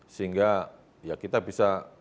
sehingga ya kita bisa